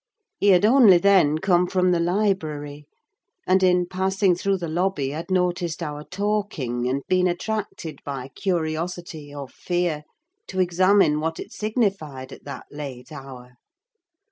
He had only then come from the library; and, in passing through the lobby, had noticed our talking and been attracted by curiosity, or fear, to examine what it signified, at that late hour.